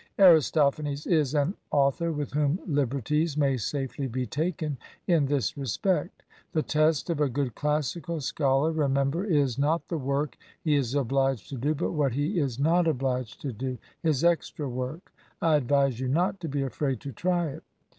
Aristophanes is an author with whom liberties may safely be taken in this respect. The test of a good classical scholar, remember, is not the work he is obliged to do, but what he is not obliged to do his extra work; I advise you not to be afraid to try it.